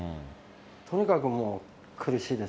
とにかくもう、苦しいです。